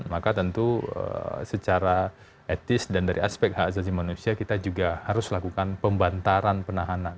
maka tentu secara etis dan dari aspek hak asasi manusia kita juga harus lakukan pembantaran penahanan